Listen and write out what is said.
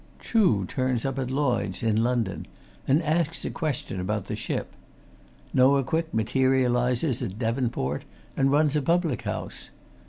Chuh turns up at Lloyds, in London, and asks a question about the ship. Noah Quick materialises at Devonport, and runs a public house.